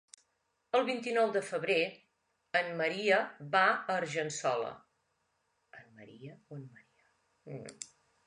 El vint-i-nou de febrer en Maria va a Argençola.